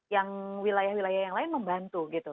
yang wilayah wilayah yang lain membantu gitu